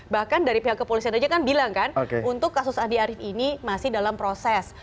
bahkan dari pihak kepolisian aja kan bilang kan untuk kasus andi arief ini masih dalam proses